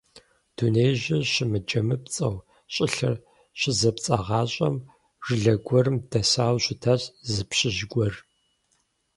Дунеижьыр щымыджэмыпцӀэу щӀылъэр щызэпцӀагъащӀэм жылэ гуэрым дэсауэ щытащ зы пщыжь гуэр.